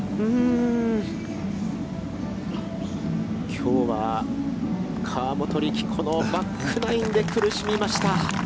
きょうは河本力、このバックナインで苦しみました。